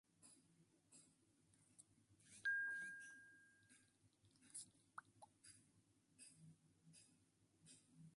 Son de dieta carnívora.